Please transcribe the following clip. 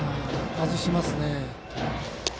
外しますね。